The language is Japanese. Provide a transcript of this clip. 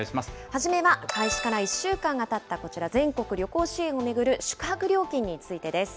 初めは、開始から１週間がたったこちら、全国旅行支援を巡る宿泊料金についてです。